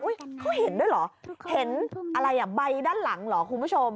เขาเห็นด้วยเหรอเห็นอะไรอ่ะใบด้านหลังเหรอคุณผู้ชม